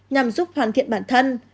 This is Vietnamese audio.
nhằm giúp hoàn thiện bản thân